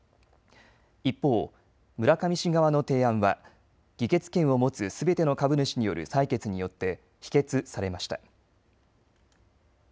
一方、村上氏側の提案は議決権を持つすべての株主による採決によって否決されました。